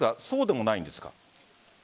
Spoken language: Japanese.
そうでもないんですか？